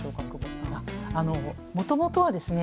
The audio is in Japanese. もともとはですね